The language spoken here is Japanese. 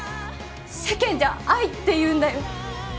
世間じゃ愛って言うんだよ